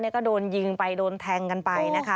ก็โดนยิงไปโดนแทงกันไปนะคะ